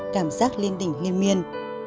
cảm giác liên tình liên miên